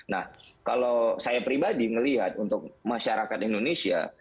nah kalau saya pribadi melihat untuk masyarakat indonesia